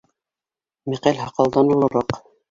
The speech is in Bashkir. Мәҡәл һаҡалдан олораҡ.